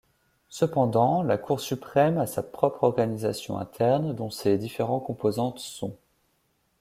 Cependant, la Cour Suprême a sa propre organisation interne dont ses différentes composantes sont.